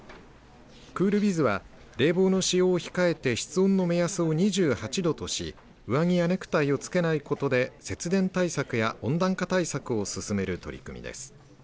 クールビズは冷房の使用を控えて室温の目安を２８度とし上着やネクタイを着けないことで節電対策や温暖化対策を進める取り組みです。